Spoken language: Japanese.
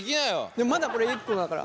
でもまだこれ一個だから。